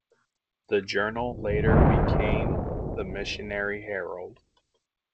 This journal later became "The Missionary Herald".